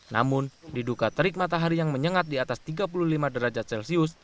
namun diduga terik matahari yang menyengat di atas tiga puluh lima derajat celcius